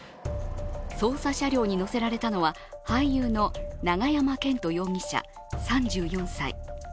捜査車両に乗せられたのは、俳優の永山絢斗容疑者３４歳。